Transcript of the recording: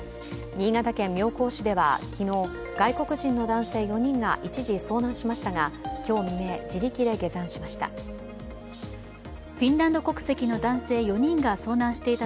新潟県妙高市では昨日、外国人の男性４人が一時遭難しましたが、今日未明自力で下山しました。